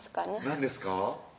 何ですか？